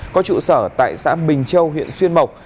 có trụ sở tại xã bình châu huyện xuyên mộc